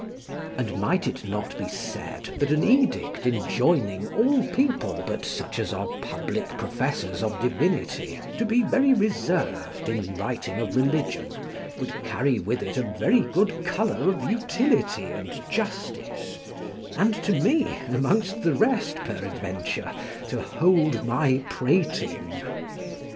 And might it not be said, that an edict enjoining all people but such as are public professors of divinity, to be very reserved in writing of religion, would carry with it a very good colour of utility and justice and to me, amongst the rest peradventure, to hold my prating?